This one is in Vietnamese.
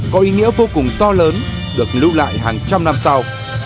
có ý nghĩa vô cùng to lớn được lưu lại hàng trăm năm sau